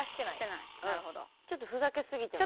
ちょっとふざけすぎてます。